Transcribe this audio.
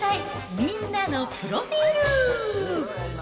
みんなのプロフィール。